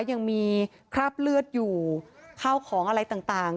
ยังมีคราบเลือดอยู่ข้าวของอะไรต่าง